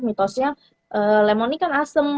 mitosnya lemon ini kan asem